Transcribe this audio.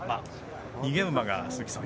逃げ馬が、鈴木さん